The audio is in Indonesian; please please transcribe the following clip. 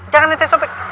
jangan nanti sobek